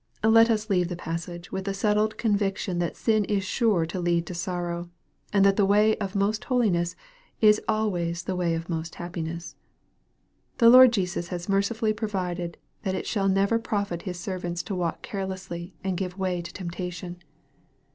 Let us leave the passage with the settled conviction that sin is sure to lead to sorrow, and that the way of most holiness is always the way of most happiness. The Lord Jesus has mercifully provided that it shall never profit His servants to walk carelessly and to give way to temptation.